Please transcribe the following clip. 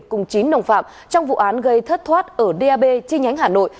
cùng chín đồng phạm trong vụ án gây thất thoát ở d a b chi nhánh hà nội